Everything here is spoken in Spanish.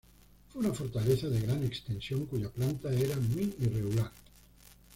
Fue una fortaleza de gran extensión cuya planta era muy irregular.